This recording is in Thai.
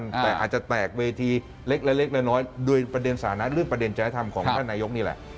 แต่อาจจะแตกเวทีเล็กน้อยโดยประเด็นสถานะเรื่องประเด็นจริยธรรมของท่านนายกนี่แหละ